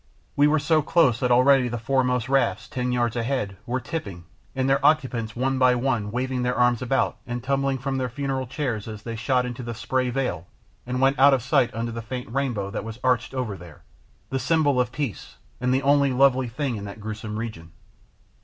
We were so close that already the foremost rafts, ten yards ahead, were tipping and their occupants one by one waving their arms about and tumbling from their funeral chairs as they shot into the spray veil and went out of sight under a faint rainbow that was arched over there, the symbol of peace and the only lovely thing in that gruesome region.